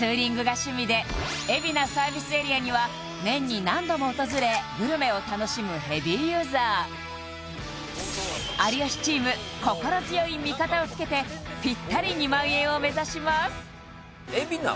海老名サービスエリアには年に何度も訪れグルメを楽しむヘビーユーザー有吉チーム心強い味方をつけてぴったり２万円を目指します